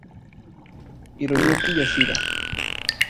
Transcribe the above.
Hiroyuki Yoshida